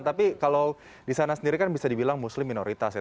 tapi kalau di sana sendiri kan bisa dibilang muslim minoritas ya